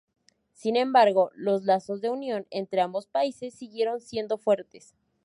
Sin embargo, los lazos de unión entre ambos países siguieron siendo fuertes.